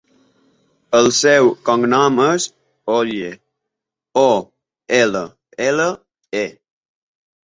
El seu cognom és Olle: o, ela, ela, e.